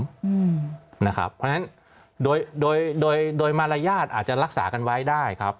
เพราะฉะนั้นโดยโดยมารยาทอาจจะรักษากันไว้ได้ครับ